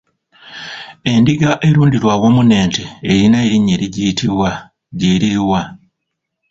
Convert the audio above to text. Endiga erundirwa awamu n’ente erina erinnya erigiyitibwa, lye liri wa ?